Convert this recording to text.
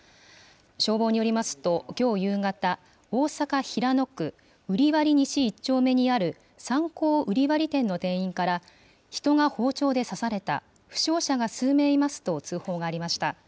消防によりますと、きょう夕方、大阪・平野区瓜破西１丁目にある、サンコー瓜破店の店員から、人が包丁で刺された、負傷者が数名いますと通報がありました。